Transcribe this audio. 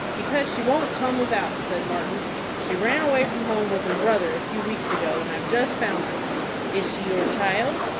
"Because she won't come without," said Martin. "She ran away from home with her brother a few weeks ago, and I've just found her." "Is she your child?"